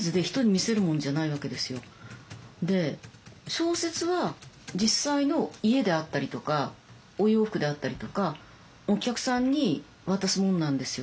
小説は実際の家であったりとかお洋服であったりとかお客さんに渡すものなんですよ。